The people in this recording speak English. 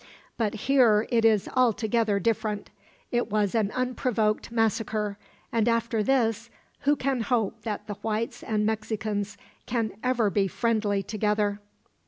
But here it is altogether different. It was an unprovoked massacre, and after this, who can hope that the whites and Mexicans can ever be friendly together?